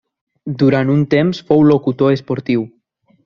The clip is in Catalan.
Durant un temps fou locutor esportiu.